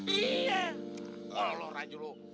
iya kalau lo rajuluh